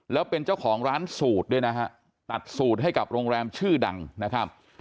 แล้วเป็นเจ้าของร้านสูตรด้วยนะฮะตัดสูตรให้กับโรงแรมชื่อดังนะครับ